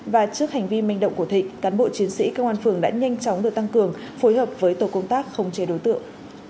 và trước hành vi manh động của thịnh cán bộ chiến sĩ công an phường đã nhanh chóng được tăng cường phối hợp với tổ công tác khống chế đối tượng